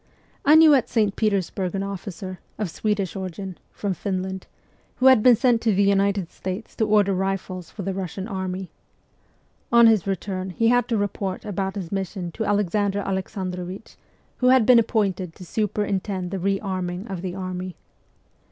I knew at St. Peters burg an officer, of Swedish origin (from Finland), who had been sent to the United States to order rifles for the Eussian army. On his return he had to report about his mission to Alexander Alexandrovich, who had been appointed to superintend the re arming of the army.